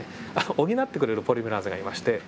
補ってくれるポリメラーゼがいまして